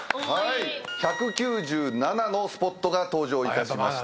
１９７のスポットが登場いたしました。